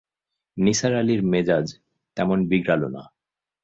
নিসার আলির মেজাজ তেমন বিগড়াল না।